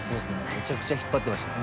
めちゃくちゃ引っ張ってましたね。